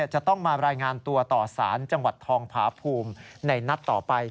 จะต้องมารายงานตัวต่อสารจังหวัดทองผาภูมิในนัดต่อไป